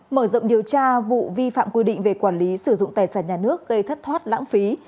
mở rộng điều tra vụ vi phạm quy định về quản lý sử dụng tài sản nhà nước gây thất thoát lãng phí